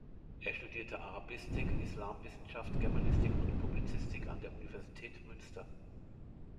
Er studierte Arabistik, Islamwissenschaft, Germanistik und Publizistik an der Universität Münster.